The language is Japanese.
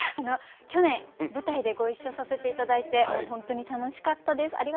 去年舞台でご一緒させて頂いて本当に楽しかったです。